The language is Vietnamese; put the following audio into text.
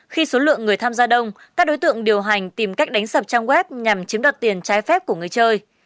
khi số lượng người tham gia đông các đối tượng điều hành tìm cách đánh sập trang web nhằm chiếm đoạt tiền trái phép của người chơi